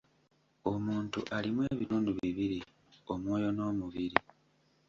Omuntu alimu ebitundu bibiri:Omwoyo n'omubiri.